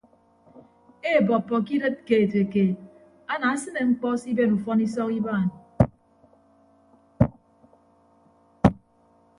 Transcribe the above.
Eebọppọ ke idịt keetekeet anaasịne ñkpọ siben ufọn isọk ibaan.